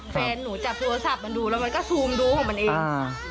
แฟนหนูจับโทรศัพท์มันดูแล้วมันก็ซูมดูของมันเอง